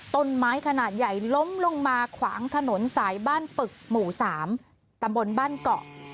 ต้นไม้ขนาดใหญ่ล้มลงมาขวางถนนสายบ้านปึกหมู่๓ตำบลบ้านเกาะ